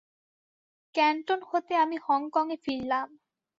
Canton হতে আমি হংকঙে ফিরলাম।